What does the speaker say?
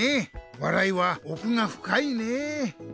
笑いはおくがふかいねえ。